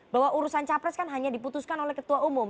bahwa urusan capres kan hanya diputuskan oleh ketua umum